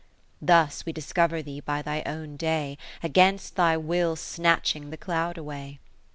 Thus we discover thee by thy own day, Against thy will snatching the cloud away.